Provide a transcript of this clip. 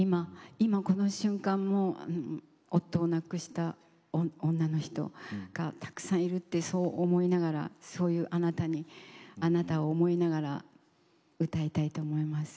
今この瞬間も夫を亡くした女の人がたくさんいるってそう思いながらそういう「あなた」を思いながら歌いたいと思います。